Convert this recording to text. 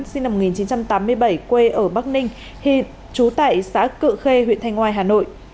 sinh năm một nghìn chín trăm tám mươi bảy quê ở bắc ninh hiện trú tại xã cự khê huyện thanh ngoài hà nội